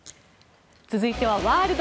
続いてはワールド！